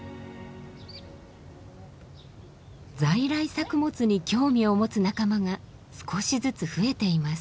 在来作物に興味を持つ仲間が少しずつ増えています。